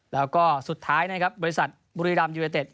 แล้วก็สุดท้ายบริษัทบุรีรัมย์ยูเอเต็ด